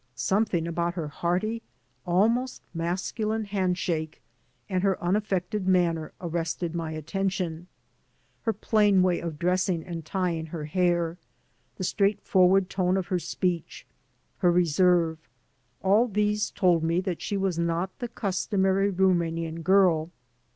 Something about her hearty, almost masculine hand shake and her unaffected manner arrested my attention. Her plain way of dressing and tying her hair, the straightforward tone of her speech, her reserve — ^all these told me that she was not the customary Rumanian girl.